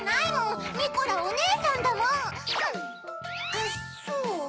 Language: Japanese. あっそう。